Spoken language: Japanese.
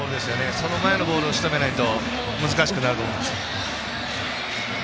その前のボールをしとめないと難しくなると思います。